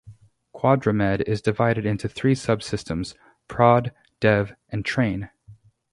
QuadraMed is divided into three subsystems: prod, dev, and train.